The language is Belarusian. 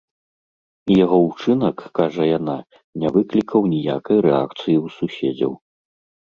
І яго ўчынак, кажа яна, не выклікаў ніякай рэакцыі ў суседзяў.